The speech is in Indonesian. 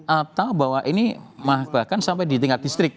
atau bahwa ini bahkan sampai di tingkat distrik